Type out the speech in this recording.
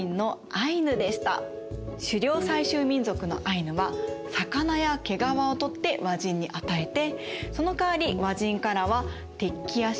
狩猟採集民族のアイヌは魚や毛皮を取って和人に与えてそのかわり和人からは鉄器や漆器お米お茶